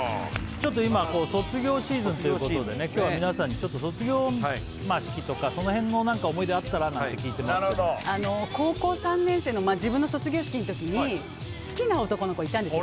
ちょっと今卒業シーズンということでね今日は皆さんにちょっと卒業式とかそのへんの何か思い出あったらなんて聞いてますけどあの高校３年生の自分の卒業式の時に好きな男の子いたんです